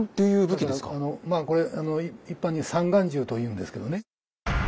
これ一般に「三眼銃」というんですけどね。